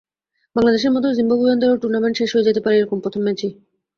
বাংলাদেশের মতো জিম্বাবুইয়ানদেরও টুর্নামেন্ট শেষ হয়ে যেতে পারে একরকম প্রথম ম্যাচেই।